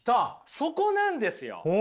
そこなんですよ！